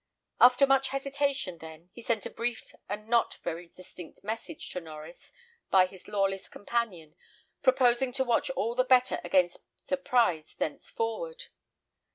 After much hesitation, then, he sent a brief and not very distinct message to Norries by his lawless companion, proposing to watch all the better against surprise thenceforward.